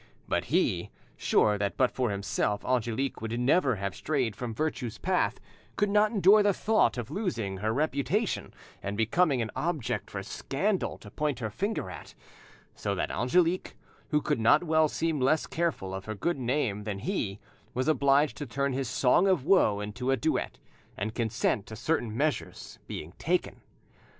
But he, sure that but for himself Angelique would never have strayed from virtue's path, could not endure the thought of her losing her reputation and becoming an object for scandal to point her finger at; so that Angelique, who could not well seem less careful of her good name than he, was obliged to turn his song of woe into a duet, and consent to certain measures being taken.